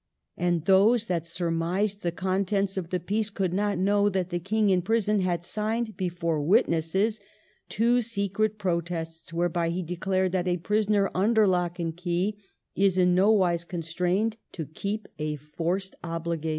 And those that sur mised the contents of the peace could not know that the King in prison had signed before wit nesses two secret protests, whereby he declared that a prisoner under lock and key is in no wise constrained to keep a forced obligation.